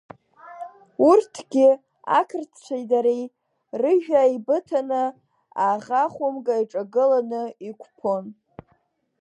Урҭгьы ақырҭцәеи дареи, рыжәҩа еибыҭаны, аӷа хәымга иҿагыланы иқәԥон.